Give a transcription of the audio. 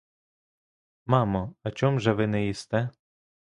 Мамо, а чом же ви не їсте?